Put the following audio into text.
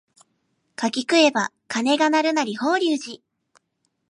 柿食えば鐘が鳴るなり法隆寺